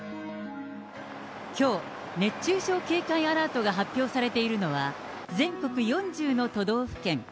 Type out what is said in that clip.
きょう、熱中症警戒アラートが発表されているのは、全国４０の都道府県。